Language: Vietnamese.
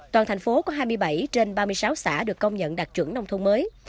toàn thành phố có hai mươi bảy trên ba mươi sáu xã được công nhận đạt chuẩn nông thôn mới